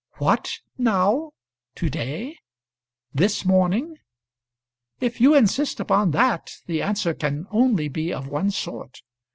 "What, now; to day; this morning? If you insist upon that, the answer can only be of one sort.